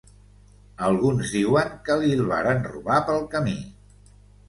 Alguns diuen que li'l varen robar pel camí.